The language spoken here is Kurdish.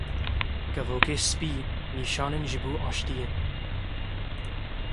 Kevokên spî nîşanin ji bo aştiyê.